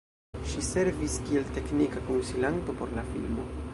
Ŝi servis kiel teknika konsilanto por la filmo.